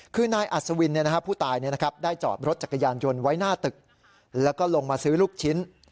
คือนายอัศวินผู้ตายได้จอดรถจักรยานยนต์ไว้หน้าตึกแล้วก็ลงมาซื้อลูกชิ้น